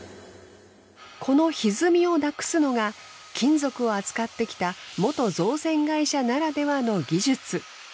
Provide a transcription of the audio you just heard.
この歪みをなくすのが金属を扱ってきた元造船会社ならではの技術。